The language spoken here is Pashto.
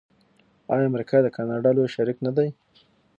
آیا امریکا د کاناډا لوی شریک نه دی؟